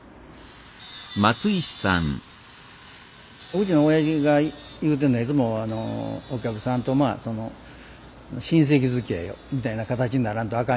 うちの親父が言うてんのはいつも「お客さんと親戚づきあいみたいな形にならんとあかん」